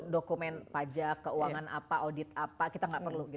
dokumen pajak keuangan apa audit apa kita nggak perlu